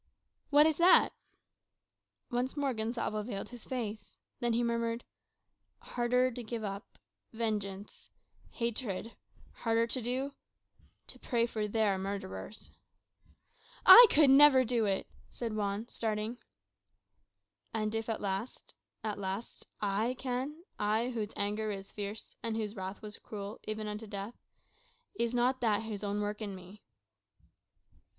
"What is that?" Once more Gonsalvo veiled his face. Then he murmured "Harder to give up vengeance, hatred; harder to do to pray for their murderers." "I could never do it," said Juan, starting. "And if at last at last I can, I, whose anger was fierce, and whose wrath was cruel, even unto death, is not that His own work in me?"